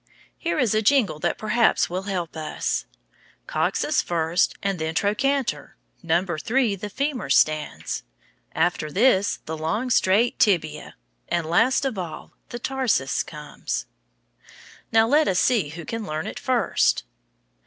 Here is a jingle that perhaps will help us: Coxa first, and then trochanter, Number three the femur stands, After this, the long, straight tibia, And last of all the tarsus comes. Now let us see who can learn it first.